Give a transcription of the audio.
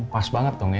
pas banget dong ya